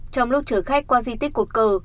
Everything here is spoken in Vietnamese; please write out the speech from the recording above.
trong lúc chở khách qua di tích cột cờ